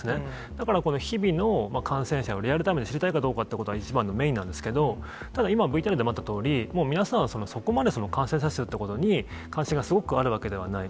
だから、この日々の感染者をリアルタイムで知りたいかどうかということが一番のメインなんですけど、ただ、今、ＶＴＲであったとおり、もう皆さんは、そこまで感染者数ってことに、関心がすごくあるわけではない。